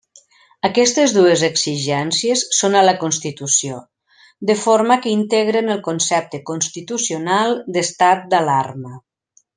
Aquestes dues exigències són a la Constitució, de forma que integren el concepte constitucional d'estat d'alarma.